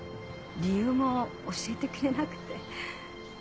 理由も教えてくれなくて。